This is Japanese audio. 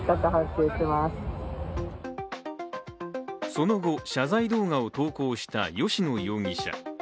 その後、謝罪動画を投稿した吉野容疑者。